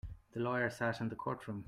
The lawyer sat in the courtroom.